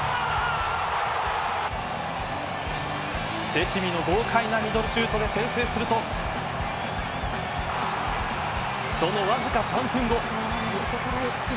チェシミの豪快なミドルシュートで先制するとそのわずか３分後。